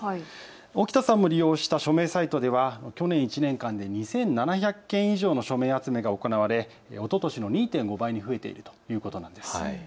沖田さんも利用した署名サイトでは去年１年間で２７００件以上の署名集めが行われ、おととしの２．５倍に増えているということなんです。